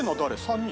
３人？